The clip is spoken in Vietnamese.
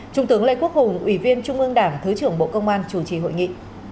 trung tướng lê quốc hùng ủy viên trung ương đảng thứ trưởng bộ công an chủ trì hội nghị